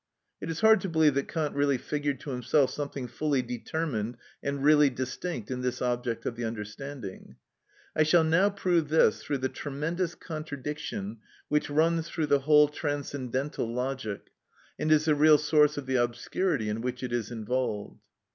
It is hard to believe that Kant really figured to himself something fully determined and really distinct in this object of the understanding; I shall now prove this through the tremendous contradiction which runs through the whole Transcendental Logic, and is the real source of the obscurity in which it is involved.